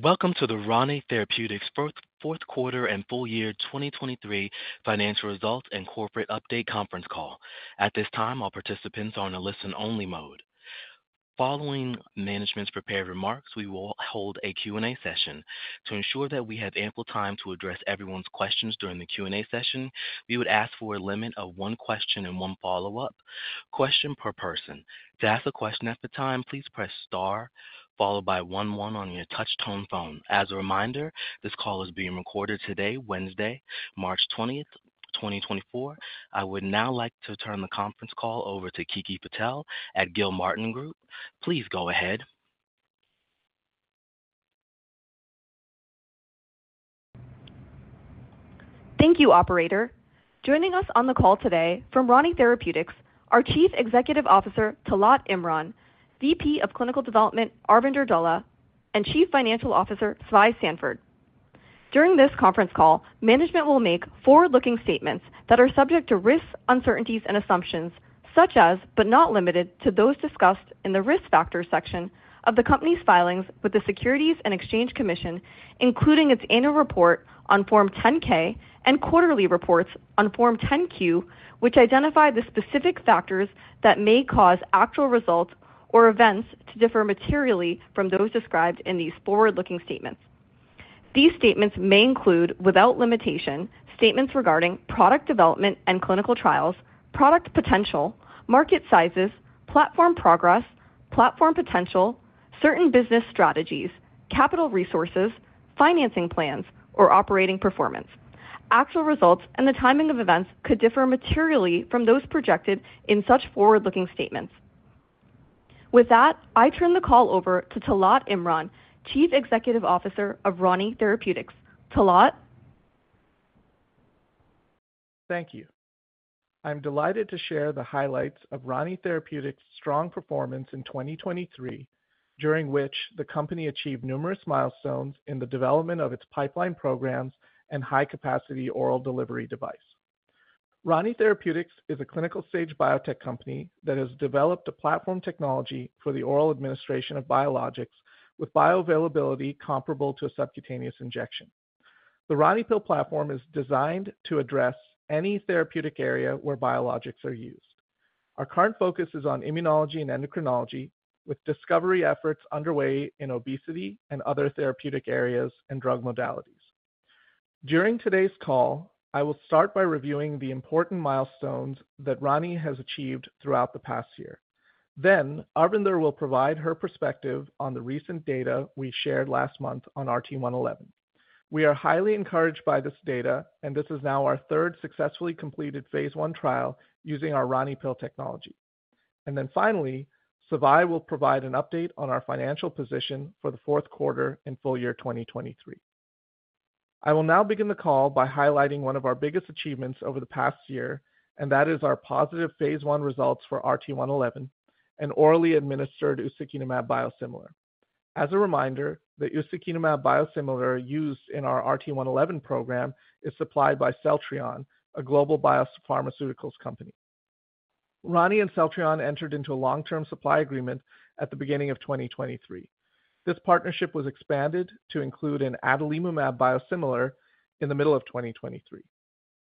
Welcome to the Rani Therapeutics Fourth Quarter and Full Year 2023 Financial Results and Corporate Update Conference Call. At this time, all participants are in a listen-only mode. Following management's prepared remarks, we will hold a Q&A session. To ensure that we have ample time to address everyone's questions during the Q&A session, we would ask for a limit of one question and one follow-up. Question per person: to ask a question at the time, please press star, followed by 11 on your touch-tone phone. As a reminder, this call is being recorded today, Wednesday, March 20, 2024. I would now like to turn the conference call over to Kiki Patel at Gilmartin Group. Please go ahead. Thank you, operator. Joining us on the call today from Rani Therapeutics are Chief Executive Officer Talat Imran, VP of Clinical Development Arvinder Dhalla, and Chief Financial Officer Svai Sanford. During this conference call, management will make forward-looking statements that are subject to risks, uncertainties, and assumptions, such as, but not limited to, those discussed in the risk factors section of the company's filings with the Securities and Exchange Commission, including its annual report on Form 10-K and quarterly reports on Form 10-Q, which identify the specific factors that may cause actual results or events to differ materially from those described in these forward-looking statements. These statements may include, without limitation, statements regarding product development and clinical trials, product potential, market sizes, platform progress, platform potential, certain business strategies, capital resources, financing plans, or operating performance. Actual results and the timing of events could differ materially from those projected in such forward-looking statements. With that, I turn the call over to Talat Imran, Chief Executive Officer of Rani Therapeutics. Talat? Thank you. I'm delighted to share the highlights of Rani Therapeutics' strong performance in 2023, during which the company achieved numerous milestones in the development of its pipeline programs and high-capacity oral delivery device. Rani Therapeutics is a clinical-stage biotech company that has developed a platform technology for the oral administration of biologics with bioavailability comparable to a subcutaneous injection. The RaniPill platform is designed to address any therapeutic area where biologics are used. Our current focus is on immunology and endocrinology, with discovery efforts underway in obesity and other therapeutic areas and drug modalities. During today's call, I will start by reviewing the important milestones that Rani has achieved throughout the past year. Then Arvinder will provide her perspective on the recent data we shared last month on RT-111. We are highly encouraged by this data, and this is now our third successfully completed phase I trial using our RaniPill technology. Then finally, Svai will provide an update on our financial position for the fourth quarter and full year 2023. I will now begin the call by highlighting one of our biggest achievements over the past year, and that is our positive phase I results for RT-111, an orally administered ustekinumab biosimilar. As a reminder, the ustekinumab biosimilar used in our RT-111 program is supplied by Celltrion, a global biopharmaceutical company. Rani and Celltrion entered into a long-term supply agreement at the beginning of 2023. This partnership was expanded to include an adalimumab biosimilar in the middle of 2023.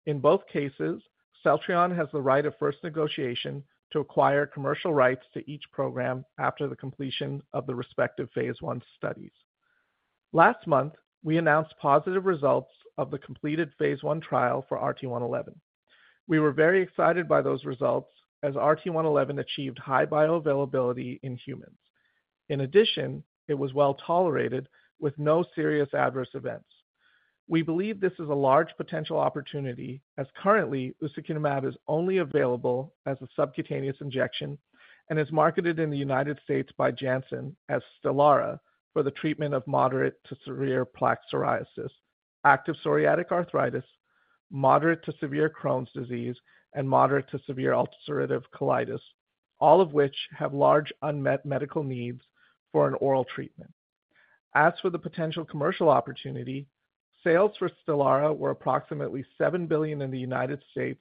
In both cases, Celltrion has the right of first negotiation to acquire commercial rights to each program after the completion of the respective phase I studies. Last month, we announced positive results of the completed phase I trial for RT-111. We were very excited by those results as RT-111 achieved high bioavailability in humans. In addition, it was well tolerated with no serious adverse events. We believe this is a large potential opportunity as currently ustekinumab is only available as a subcutaneous injection and is marketed in the United States by Janssen as Stelara for the treatment of moderate to severe plaque psoriasis, active psoriatic arthritis, moderate to severe Crohn's disease, and moderate to severe ulcerative colitis, all of which have large unmet medical needs for an oral treatment. As for the potential commercial opportunity, sales for Stelara were approximately $7 billion in the United States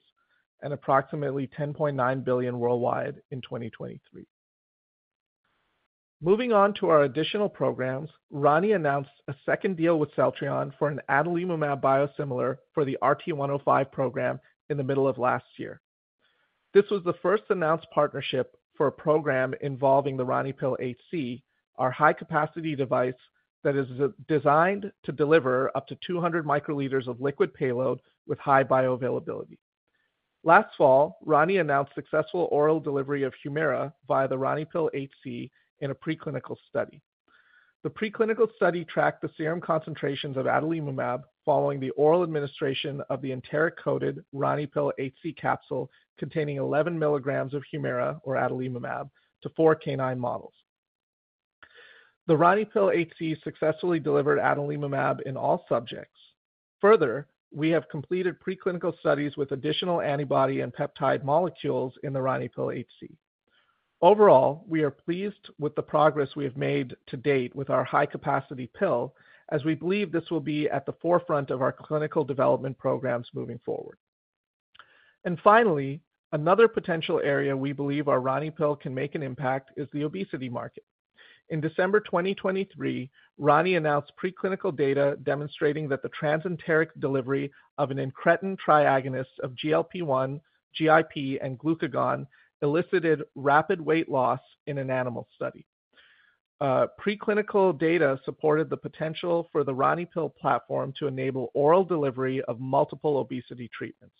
and approximately $10.9 billion worldwide in 2023. Moving on to our additional programs, Rani announced a second deal with Celltrion for an adalimumab biosimilar for the RT-105 program in the middle of last year. This was the first announced partnership for a program involving the RaniPill HC, our high-capacity device that is designed to deliver up to 200 microliters of liquid payload with high bioavailability. Last fall, Rani announced successful oral delivery of Humira via the RaniPill HC in a preclinical study. The preclinical study tracked the serum concentrations of adalimumab following the oral administration of the enteric-coated RaniPill HC capsule containing 11 mg of Humira or adalimumab to four canine models. The RaniPill HC successfully delivered adalimumab in all subjects. Further, we have completed preclinical studies with additional antibody and peptide molecules in the RaniPill HC. Overall, we are pleased with the progress we have made to date with our high-capacity pill, as we believe this will be at the forefront of our clinical development programs moving forward. Finally, another potential area we believe our RaniPill can make an impact is the obesity market. In December 2023, Rani announced preclinical data demonstrating that the transenteric delivery of an incretin triagonist of GLP-1, GIP, and glucagon elicited rapid weight loss in an animal study. Preclinical data supported the potential for the RaniPill platform to enable oral delivery of multiple obesity treatments.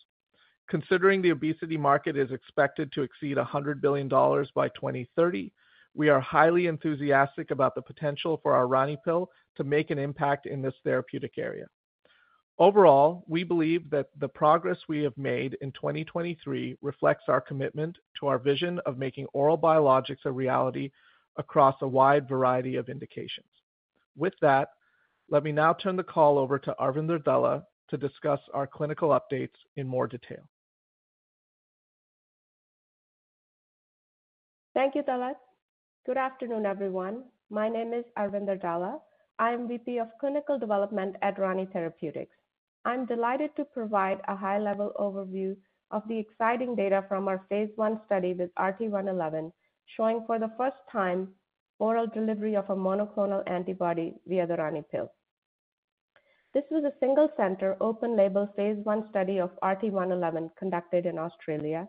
Considering the obesity market is expected to exceed $100 billion by 2030, we are highly enthusiastic about the potential for our RaniPill to make an impact in this therapeutic area. Overall, we believe that the progress we have made in 2023 reflects our commitment to our vision of making oral biologics a reality across a wide variety of indications. With that, let me now turn the call over to Arvinder Dhalla to discuss our clinical updates in more detail. Thank you, Talat. Good afternoon, everyone. My name is Arvinder Dhalla. I am VP of Clinical Development at Rani Therapeutics. I'm delighted to provide a high-level overview of the exciting data from our phase I study with RT-111 showing, for the first time, oral delivery of a monoclonal antibody via the RaniPill. This was a single-center open-label phase I study of RT-111 conducted in Australia.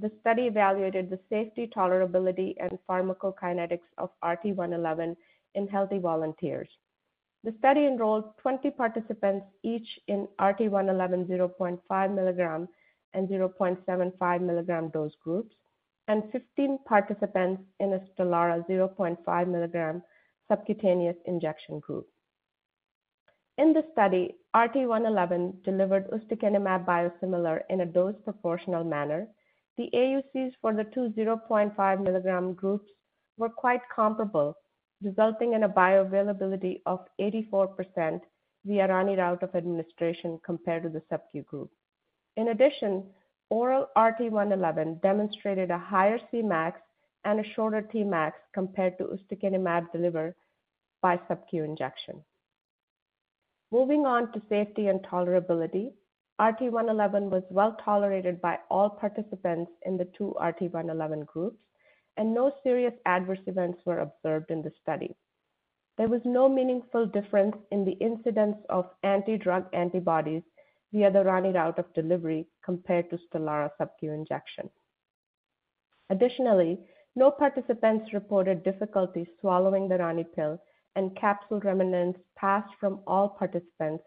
The study evaluated the safety, tolerability, and pharmacokinetics of RT-111 in healthy volunteers. The study enrolled 20 participants, each in RT-111 0.5 mg and 0.75 mg dose groups, and 15 participants in a Stelara 0.5 mg subcutaneous injection group. In the study, RT-111 delivered ustekinumab biosimilar in a dose-proportional manner. The AUCs for the two 0.5 mg groups were quite comparable, resulting in a bioavailability of 84% via Rani route of administration compared to the sub-Q group. In addition, oral RT-111 demonstrated a higher Cmax and a shorter Tmax compared to ustekinumab delivered by subcutaneous injection. Moving on to safety and tolerability, RT-111 was well tolerated by all participants in the two RT-111 groups, and no serious adverse events were observed in the study. There was no meaningful difference in the incidence of anti-drug antibodies via the Rani route of delivery compared to Stelara subcutaneous injection. Additionally, no participants reported difficulty swallowing the RaniPill, and capsule remnants passed from all participants.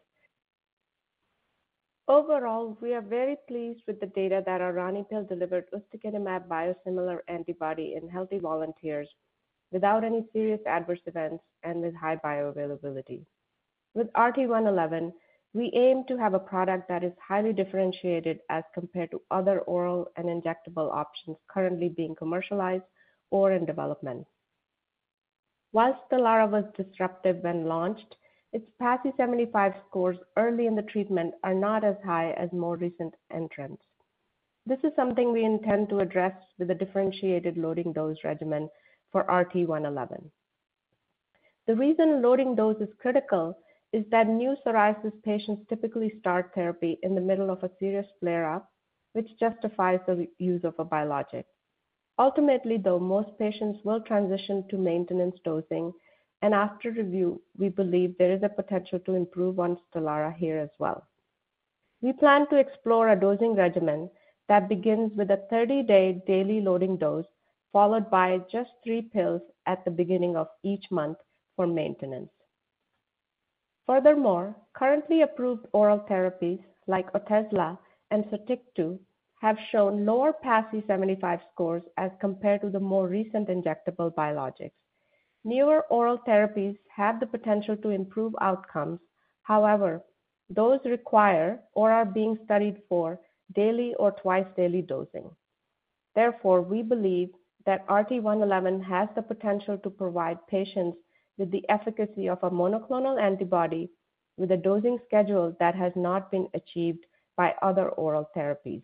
Overall, we are very pleased with the data that our RaniPill delivered ustekinumab biosimilar antibody in healthy volunteers without any serious adverse events and with high bioavailability. With RT-111, we aim to have a product that is highly differentiated as compared to other oral and injectable options currently being commercialized or in development. While Stelara was disruptive when launched, its PASI-75 scores early in the treatment are not as high as more recent entrants. This is something we intend to address with a differentiated loading dose regimen for RT-111. The reason loading dose is critical is that new psoriasis patients typically start therapy in the middle of a serious flare-up, which justifies the use of a biologic. Ultimately, though, most patients will transition to maintenance dosing, and after review, we believe there is a potential to improve on Stelara here as well. We plan to explore a dosing regimen that begins with a 30-day daily loading dose, followed by just three pills at the beginning of each month for maintenance. Furthermore, currently approved oral therapies like Otezla and Sotyktu have shown lower PASI-75 scores as compared to the more recent injectable biologics. Newer oral therapies have the potential to improve outcomes. However, those require or are being studied for daily or twice-daily dosing. Therefore, we believe that RT-111 has the potential to provide patients with the efficacy of a monoclonal antibody with a dosing schedule that has not been achieved by other oral therapies.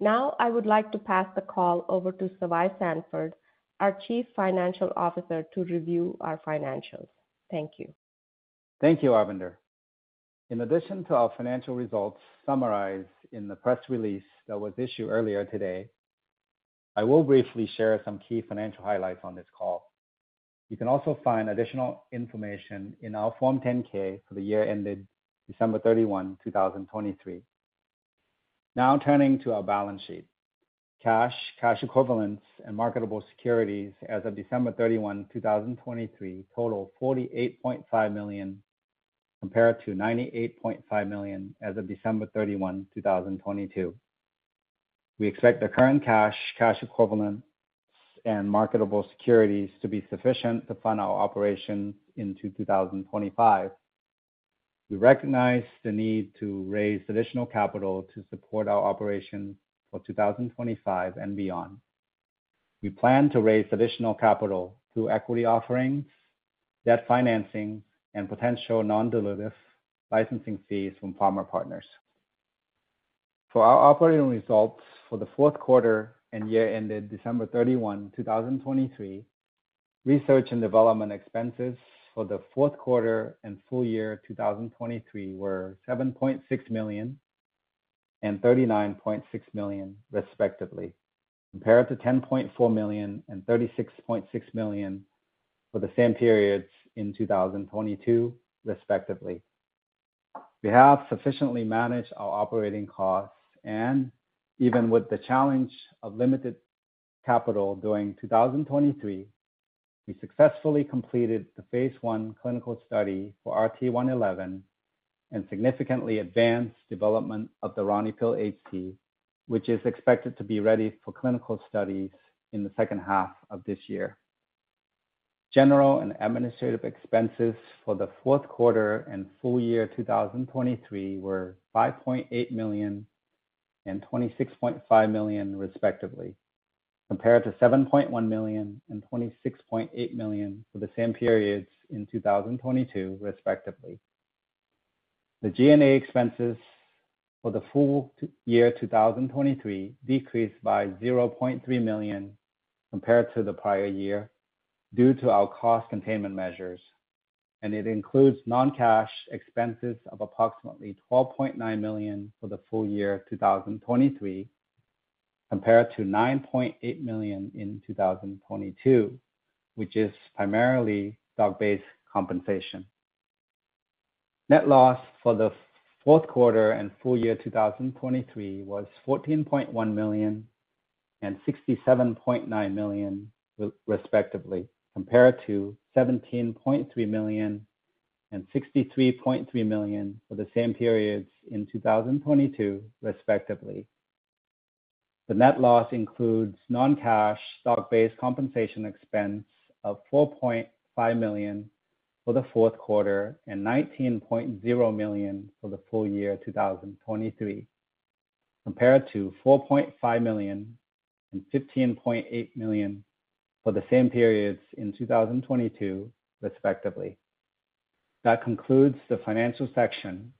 Now I would like to pass the call over to Svai Sanford, our Chief Financial Officer, to review our financials. Thank you. Thank you, Arvinder. In addition to our financial results summarized in the press release that was issued earlier today, I will briefly share some key financial highlights on this call. You can also find additional information in our Form 10-K for the year ended December 31, 2023. Now turning to our balance sheet: cash, cash equivalents, and marketable securities as of December 31, 2023 total $48.5 million compared to $98.5 million as of December 31, 2022. We expect the current cash, cash equivalents, and marketable securities to be sufficient to fund our operations into 2025. We recognize the need to raise additional capital to support our operations for 2025 and beyond. We plan to raise additional capital through equity offerings, debt financing, and potential non-dilutive licensing fees from pharma partners. For our operating results for the fourth quarter and year ended December 31, 2023, research and development expenses for the fourth quarter and full year 2023 were $7.6 million and $39.6 million, respectively, compared to $10.4 million and $36.6 million for the same periods in 2022, respectively. We have sufficiently managed our operating costs, and even with the challenge of limited capital during 2023, we successfully completed the phase I clinical study for RT-111 and significantly advanced development of the RaniPill HC, which is expected to be ready for clinical studies in the second half of this year. General and administrative expenses for the fourth quarter and full year 2023 were $5.8 million and $26.5 million, respectively, compared to $7.1 million and $26.8 million for the same periods in 2022, respectively. The G&A expenses for the full year 2023 decreased by $0.3 million compared to the prior year due to our cost containment measures, and it includes non-cash expenses of approximately $12.9 million for the full year 2023 compared to $9.8 million in 2022, which is primarily stock-based compensation. Net loss for the fourth quarter and full year 2023 was $14.1 million and $67.9 million, respectively, compared to $17.3 million and $63.3 million for the same periods in 2022, respectively. The net loss includes non-cash stock-based compensation expense of $4.5 million for the fourth quarter and $19.0 million for the full year 2023, compared to $4.5 million and $15.8 million for the same periods in 2022, respectively. That concludes the financial section,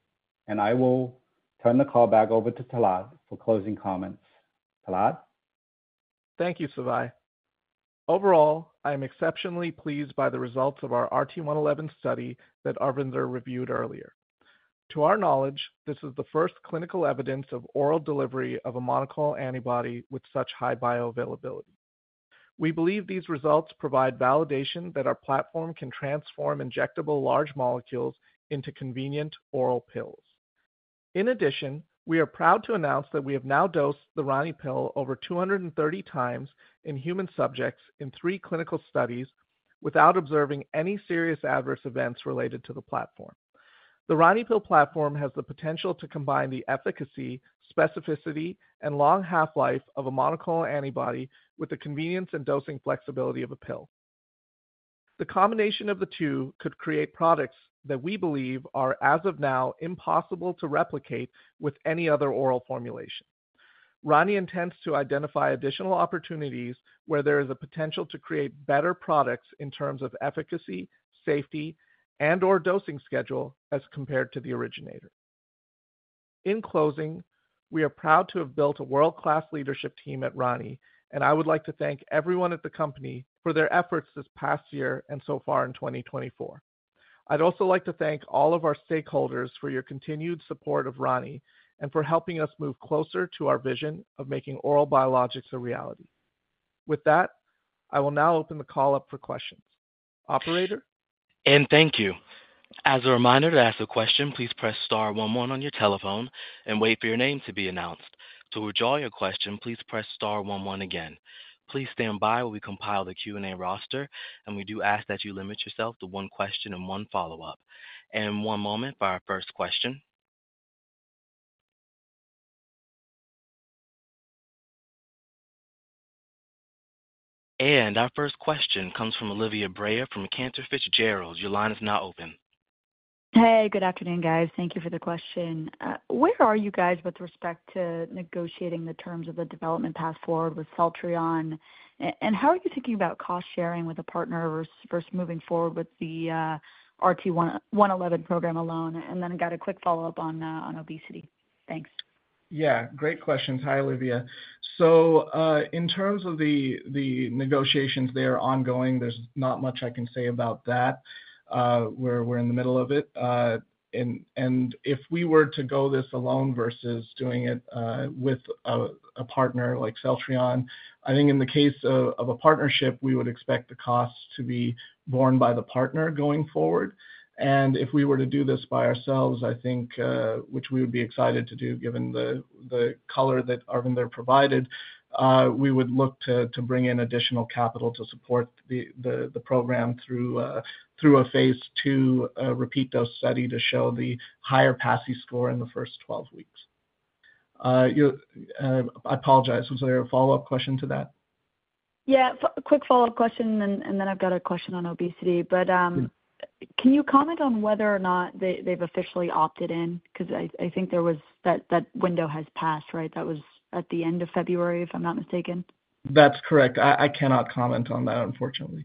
and I will turn the call back over to Talat for closing comments. Talat? Thank you, Svai. Overall, I am exceptionally pleased by the results of our RT-111 study that Arvinder reviewed earlier. To our knowledge, this is the first clinical evidence of oral delivery of a monoclonal antibody with such high bioavailability. We believe these results provide validation that our platform can transform injectable large molecules into convenient oral pills. In addition, we are proud to announce that we have now dosed the RaniPill over 230 times in human subjects in three clinical studies without observing any serious adverse events related to the platform. The RaniPill platform has the potential to combine the efficacy, specificity, and long half-life of a monoclonal antibody with the convenience and dosing flexibility of a pill. The combination of the two could create products that we believe are, as of now, impossible to replicate with any other oral formulation. Rani intends to identify additional opportunities where there is a potential to create better products in terms of efficacy, safety, and/or dosing schedule as compared to the originator. In closing, we are proud to have built a world-class leadership team at Rani, and I would like to thank everyone at the company for their efforts this past year and so far in 2024. I'd also like to thank all of our stakeholders for your continued support of Rani and for helping us move closer to our vision of making oral biologics a reality. With that, I will now open the call up for questions. Operator? Thank you. As a reminder, to ask a question, please press star one one on your telephone and wait for your name to be announced. To withdraw your question, please press star one one again. Please stand by while we compile the Q&A roster, and we do ask that you limit yourself to one question and one follow-up. One moment for our first question. Our first question comes from Olivia Brayer from Cantor Fitzgerald. Your line is now open. Hey, good afternoon, guys. Thank you for the question. Where are you guys with respect to negotiating the terms of the development path forward with Celltrion, and how are you thinking about cost sharing with a partner versus moving forward with the RT-111 program alone? And then I got a quick follow-up on obesity. Thanks. Yeah, great questions. Hi, Olivia. So in terms of the negotiations that are ongoing, there's not much I can say about that. We're in the middle of it. And if we were to go this alone versus doing it with a partner like Celltrion, I think in the case of a partnership, we would expect the costs to be borne by the partner going forward. And if we were to do this by ourselves, I think, which we would be excited to do given the color that Arvinder provided, we would look to bring in additional capital to support the program through a phase II repeat dose study to show the higher PASI score in the first 12 weeks. I apologize. Was there a follow-up question to that? Yeah, quick follow-up question, and then I've got a question on obesity. But can you comment on whether or not they've officially opted in? Because I think that window has passed, right? That was at the end of February, if I'm not mistaken. That's correct. I cannot comment on that, unfortunately.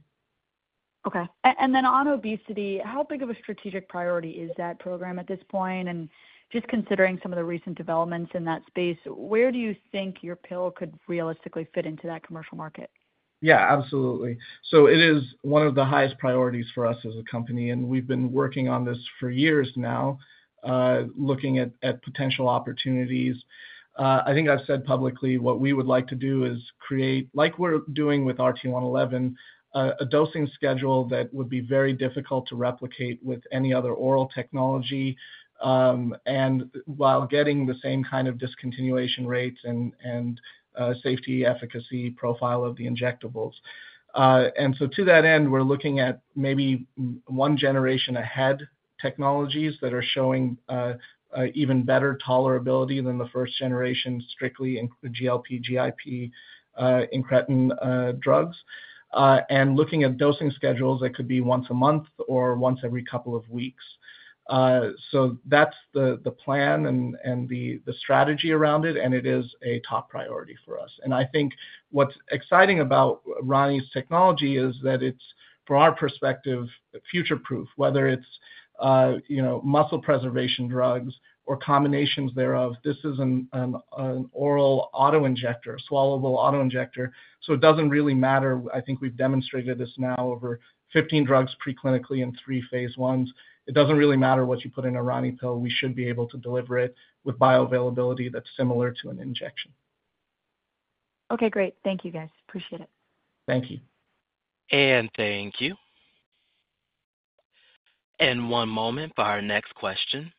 Okay. And then on obesity, how big of a strategic priority is that program at this point? And just considering some of the recent developments in that space, where do you think your pill could realistically fit into that commercial market? Yeah, absolutely. So it is one of the highest priorities for us as a company, and we've been working on this for years now, looking at potential opportunities. I think I've said publicly what we would like to do is create, like we're doing with RT-111, a dosing schedule that would be very difficult to replicate with any other oral technology while getting the same kind of discontinuation rates and safety efficacy profile of the injectables. And so to that end, we're looking at maybe one generation ahead technologies that are showing even better tolerability than the first generation strictly GLP, GIP, incretin drugs, and looking at dosing schedules that could be once a month or once every couple of weeks. So that's the plan and the strategy around it, and it is a top priority for us. I think what's exciting about Rani's technology is that it's, from our perspective, future-proof, whether it's muscle preservation drugs or combinations thereof. This is an oral autoinjector, swallowable autoinjector, so it doesn't really matter. I think we've demonstrated this now over 15 drugs preclinically and three phase Is. It doesn't really matter what you put in a RaniPill. We should be able to deliver it with bioavailability that's similar to an injection. Okay, great. Thank you, guys. Appreciate it. Thank you. Thank you. One moment for our next question.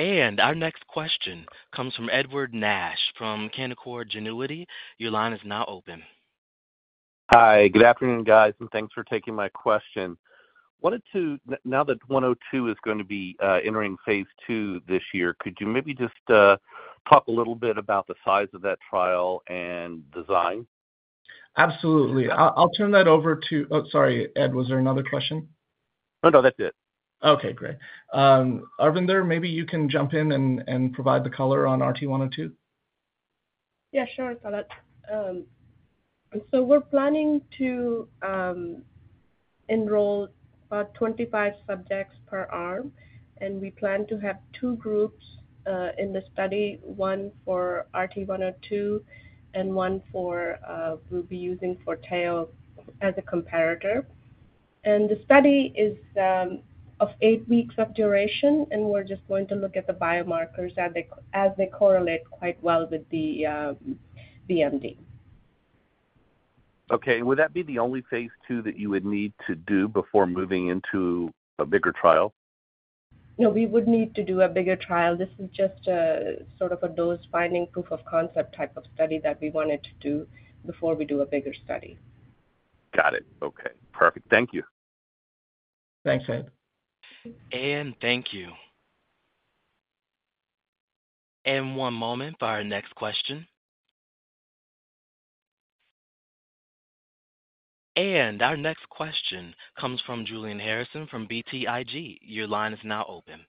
Our next question comes from Edward Nash from Canaccord Genuity. Your line is now open. Hi, good afternoon, guys, and thanks for taking my question. Now that 102 is going to be entering phase II this year, could you maybe just talk a little bit about the size of that trial and design? Absolutely. I'll turn that over to, oh, sorry, Ed. Was there another question? Oh, no, that's it. Okay, great. Arvinder, maybe you can jump in and provide the color on RT-102. Yeah, sure, Talat. So we're planning to enroll about 25 subjects per arm, and we plan to have two groups in the study, one for RT-102 and one we'll be using for Forteo as a comparator. And the study is of eight weeks of duration, and we're just going to look at the biomarkers as they correlate quite well with the BMD. Okay. And would that be the only phase II that you would need to do before moving into a bigger trial? No, we would need to do a bigger trial. This is just sort of a dose-finding proof of concept type of study that we wanted to do before we do a bigger study. Got it. Okay, perfect. Thank you. Thanks, Ed. Thank you. One moment for our next question. Our next question comes from Julian Harrison from BTIG. Your line is now open.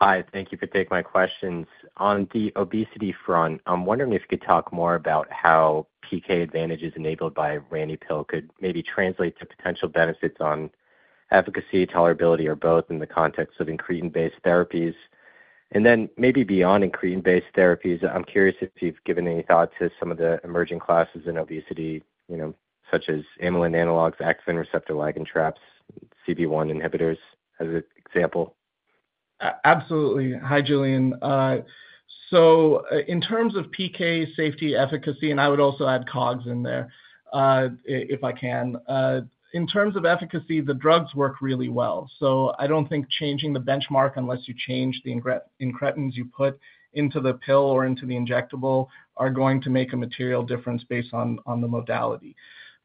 Hi, thank you for taking my questions. On the obesity front, I'm wondering if you could talk more about how PK advantages enabled by RaniPill could maybe translate to potential benefits on efficacy, tolerability, or both in the context of incretin-based therapies. And then maybe beyond incretin-based therapies, I'm curious if you've given any thought to some of the emerging classes in obesity, such as amylin analogs, activin receptor ligand traps, CB1 inhibitors as an example. Absolutely. Hi, Julian. So in terms of PK safety, efficacy, and I would also add COGS in there if I can. In terms of efficacy, the drugs work really well. So I don't think changing the benchmark unless you change the incretins you put into the pill or into the injectable are going to make a material difference based on the modality.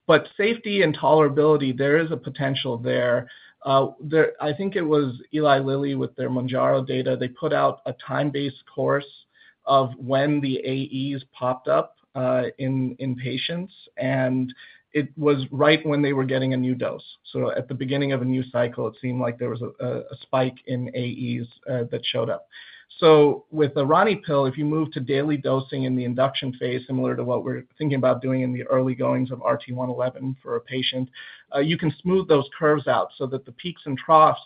But safety and tolerability, there is a potential there. I think it was Eli Lilly with their Mounjaro data. They put out a time-based course of when the AEs popped up in patients, and it was right when they were getting a new dose. So at the beginning of a new cycle, it seemed like there was a spike in AEs that showed up. So with the RaniPill, if you move to daily dosing in the induction phase, similar to what we're thinking about doing in the early goings of RT-111 for a patient, you can smooth those curves out so that the peaks and troughs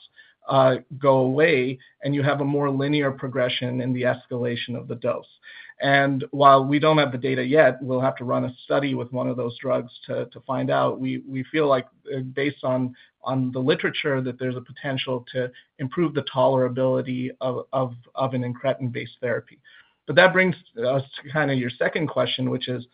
go away, and you have a more linear progression in the escalation of the dose. And while we don't have the data yet, we'll have to run a study with one of those drugs to find out. We feel like, based on the literature, that there's a potential to improve the tolerability of an incretin-based therapy. But that brings us to kind of your second question, which is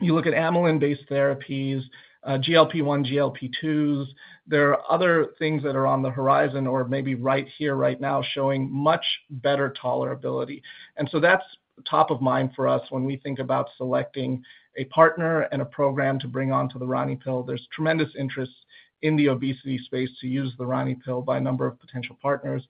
you look at amylin-based therapies, GLP-1, GLP-2s. There are other things that are on the horizon or maybe right here, right now, showing much better tolerability. That's top of mind for us when we think about selecting a partner and a program to bring onto the RaniPill. There's tremendous interest in the obesity space to use the RaniPill by a number of potential partners.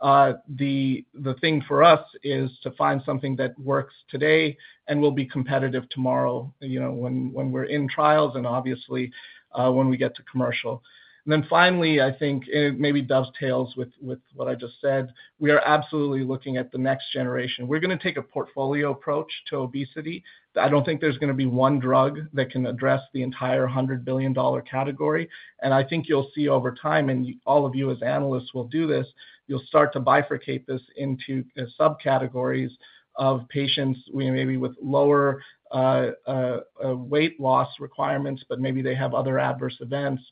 The thing for us is to find something that works today and will be competitive tomorrow when we're in trials and obviously when we get to commercial. And then finally, I think, and it maybe dovetails with what I just said, we are absolutely looking at the next generation. We're going to take a portfolio approach to obesity. I don't think there's going to be one drug that can address the entire $100 billion category. I think you'll see over time, and all of you as analysts will do this, you'll start to bifurcate this into subcategories of patients maybe with lower weight loss requirements, but maybe they have other adverse events.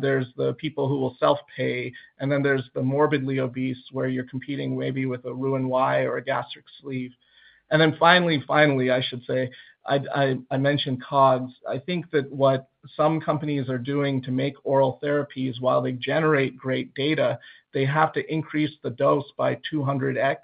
There's the people who will self-pay, and then there's the morbidly obese where you're competing maybe with a Roux-en-Y or a gastric sleeve. And then finally, finally, I should say, I mentioned COGS. I think that what some companies are doing to make oral therapies, while they generate great data, they have to increase the dose by 200x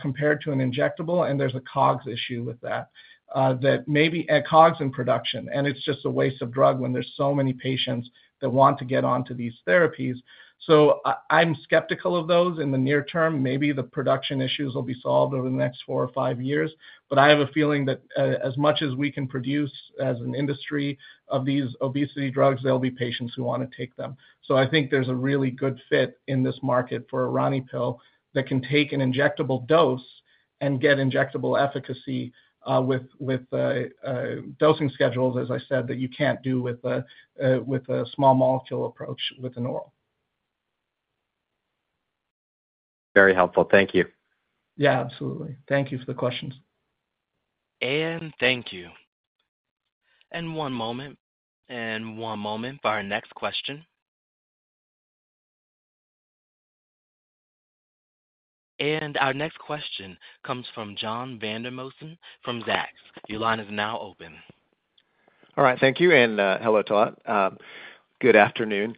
compared to an injectable, and there's a COGS issue with that. COGS in production, and it's just a waste of drug when there's so many patients that want to get onto these therapies. So I'm skeptical of those in the near term. Maybe the production issues will be solved over the next four or five years, but I have a feeling that as much as we can produce as an industry of these obesity drugs, there'll be patients who want to take them. So I think there's a really good fit in this market for a RaniPill that can take an injectable dose and get injectable efficacy with dosing schedules, as I said, that you can't do with a small molecule approach with an oral. Very helpful. Thank you. Yeah, absolutely. Thank you for the questions. Thank you. One moment for our next question. Our next question comes from John Vandermosen from Zacks. Your line is now open. All right, thank you. And hello, Talat. Good afternoon.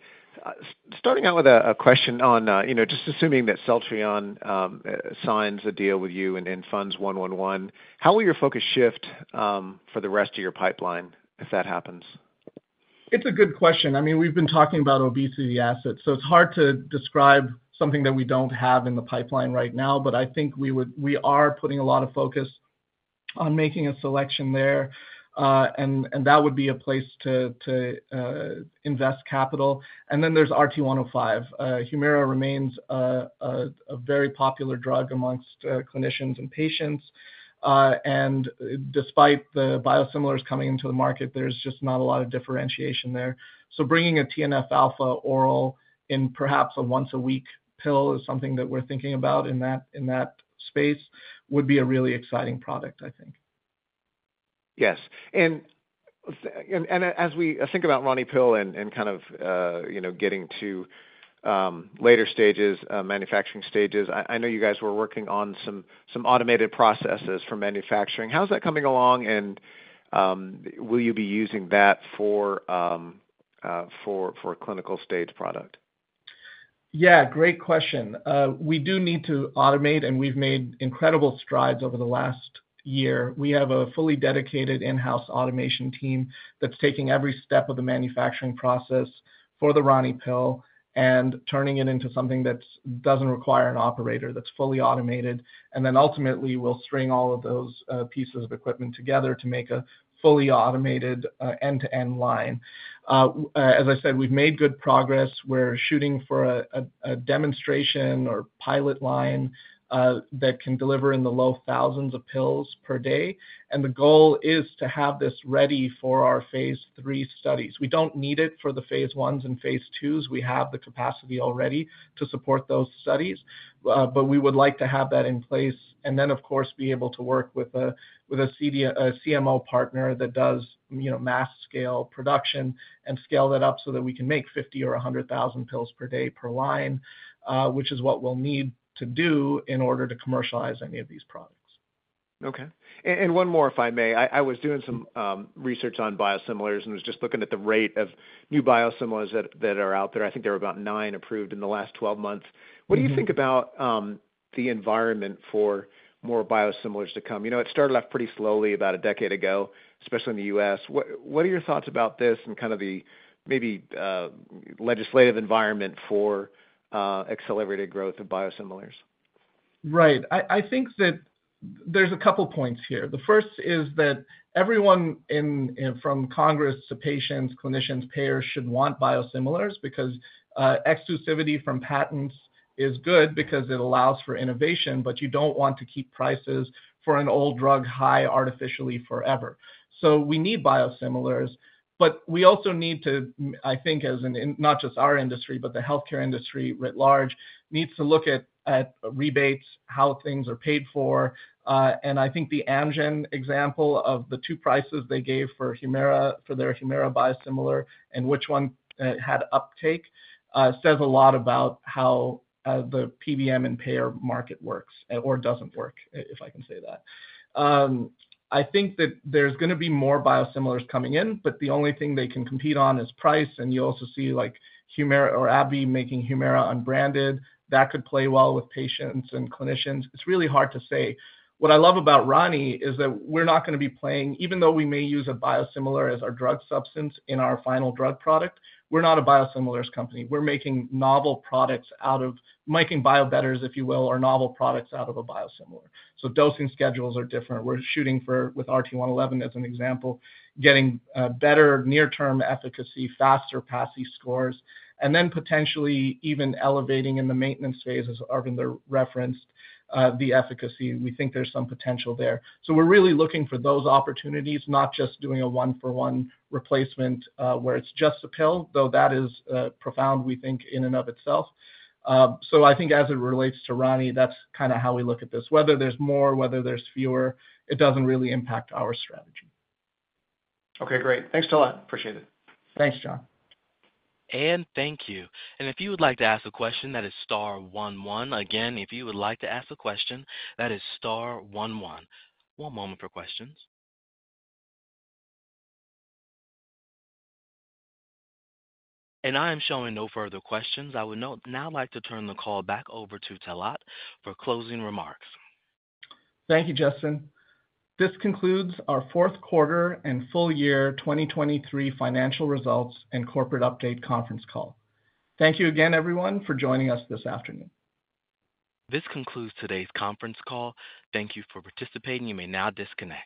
Starting out with a question on just assuming that Celltrion signs a deal with you and funds RT-111, how will your focus shift for the rest of your pipeline if that happens? It's a good question. I mean, we've been talking about obesity assets, so it's hard to describe something that we don't have in the pipeline right now, but I think we are putting a lot of focus on making a selection there, and that would be a place to invest capital. And then there's RT-105. Humira remains a very popular drug amongst clinicians and patients. And despite the biosimilars coming into the market, there's just not a lot of differentiation there. So bringing a TNF-alpha oral in perhaps a once-a-week pill is something that we're thinking about in that space would be a really exciting product, I think. Yes. And as we think about RaniPill and kind of getting to later stages, manufacturing stages, I know you guys were working on some automated processes for manufacturing. How's that coming along, and will you be using that for a clinical-stage product? Yeah, great question. We do need to automate, and we've made incredible strides over the last year. We have a fully dedicated in-house automation team that's taking every step of the manufacturing process for the RaniPill and turning it into something that doesn't require an operator, that's fully automated. And then ultimately, we'll string all of those pieces of equipment together to make a fully automated end-to-end line. As I said, we've made good progress. We're shooting for a demonstration or pilot line that can deliver in the low thousands of pills per day. And the goal is to have this ready for our phase III studies. We don't need it for the phase Is and phase IIs. We have the capacity already to support those studies, but we would like to have that in place and then, of course, be able to work with a CMO partner that does mass-scale production and scale that up so that we can make 50 or 100,000 pills per day per line, which is what we'll need to do in order to commercialize any of these products. Okay. One more, if I may. I was doing some research on biosimilars and was just looking at the rate of new biosimilars that are out there. I think there were about nine approved in the last 12 months. What do you think about the environment for more biosimilars to come? It started off pretty slowly about a decade ago, especially in the U.S. What are your thoughts about this and kind of the maybe legislative environment for accelerated growth of biosimilars? Right. I think that there's a couple of points here. The first is that everyone from Congress to patients, clinicians, payers should want biosimilars because exclusivity from patents is good because it allows for innovation, but you don't want to keep prices for an old drug high artificially forever. So we need biosimilars, but we also need to, I think, as not just our industry, but the healthcare industry writ large, need to look at rebates, how things are paid for. And I think the Amgen example of the two prices they gave for their Humira biosimilar and which one had uptake says a lot about how the PBM and payer market works or doesn't work, if I can say that. I think that there's going to be more biosimilars coming in, but the only thing they can compete on is price. And you also see AbbVie making Humira unbranded. That could play well with patients and clinicians. It's really hard to say. What I love about Rani is that we're not going to be playing even though we may use a biosimilar as our drug substance in our final drug product, we're not a biosimilars company. We're making novel products out of making biobetters, if you will, or novel products out of a biosimilar. So dosing schedules are different. We're shooting for, with RT-111 as an example, getting better near-term efficacy, faster PASI scores, and then potentially even elevating in the maintenance phase, as Arvinder referenced, the efficacy. We think there's some potential there. So we're really looking for those opportunities, not just doing a one-for-one replacement where it's just a pill, though that is profound, we think, in and of itself. So I think as it relates to Rani, that's kind of how we look at this. Whether there's more, whether there's fewer, it doesn't really impact our strategy. Okay, great. Thanks, Talat. Appreciate it. Thanks, John. Thank you. If you would like to ask a question, that is star one one. Again, if you would like to ask a question, that is star one one. One moment for questions. I am showing no further questions. I would now like to turn the call back over to Talat for closing remarks. Thank you, Justin. This concludes our fourth quarter and full year 2023 financial results and corporate update conference call. Thank you again, everyone, for joining us this afternoon. This concludes today's conference call. Thank you for participating. You may now disconnect.